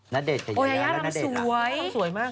นาเดตยินแยะงานสวย